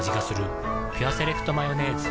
「ピュアセレクトマヨネーズ」